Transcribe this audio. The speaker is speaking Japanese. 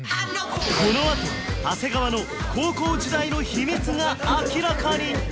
このあと長谷川の高校時代の秘密が明らかに！